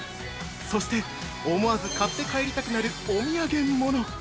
そして、思わず買って帰りたくなるお土産物！